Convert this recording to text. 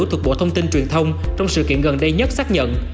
thuộc bộ thông tin truyền thông trong sự kiện gần đây nhất xác nhận